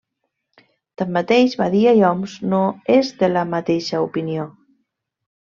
Tanmateix Badia i Homs no és de la mateixa opinió.